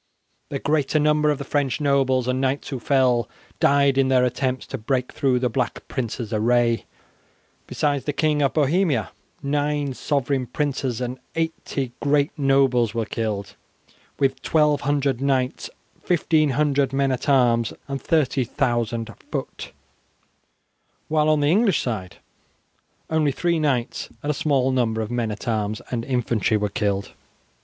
The greater number of the French nobles and knights who fell, died in their attempts to break through the Black Prince's array. Besides the King of Bohemia, nine sovereign princes and eighty great nobles were killed, with 1200 knights, 1500 men at arms, and 30,000 foot; while on the English side only three knights and a small number of men at arms and infantry were killed.